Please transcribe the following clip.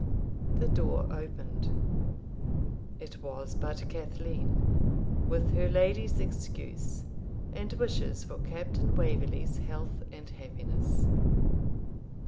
The door opened. It was but Cathleen, with her lady's excuse, and wishes for Captain Waverley's health and happiness.